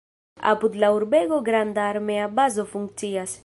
Apud la urbego granda armea bazo funkcias.